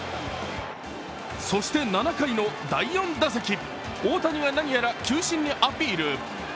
そして７回の第４打席、大谷が何やら球審にアピール。